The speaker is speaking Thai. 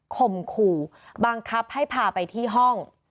มขู่บังคับให้พาไปที่ห้อง